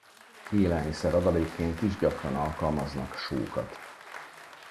Élelmiszer-adalékként is gyakran alkalmaznak sókat.